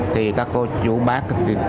thì các cô chú bác